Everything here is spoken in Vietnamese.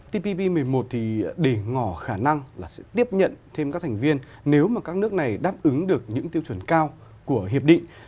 tpp một mươi một thì để ngỏ khả năng là sẽ tiếp nhận thêm các thành viên nếu mà các nước này đáp ứng được những tiêu chuẩn cao của hiệp định